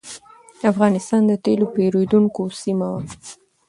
افغانستان د تېلو پېرودونکو سیمه وه.